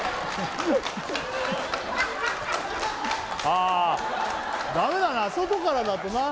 「ああダメだな外からだとな」